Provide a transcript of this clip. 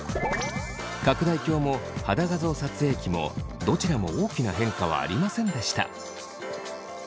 拡大鏡も肌画像撮影機もどちらも大きな変化はありませんでした。